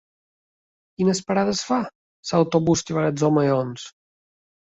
Quines parades fa l'autobús que va als Omellons?